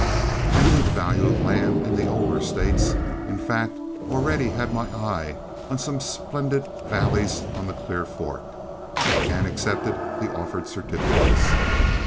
I knew the value of land in the older States, in fact, already had my eye on some splendid valleys on the Clear Fork, and accepted the offered certificates.